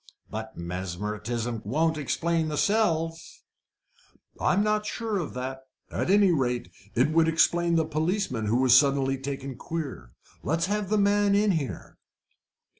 "But mesmerism won't explain the cells!" "I'm not so sure of that at any rate, it would explain the policeman who was suddenly taken queer. Let's have the man in here."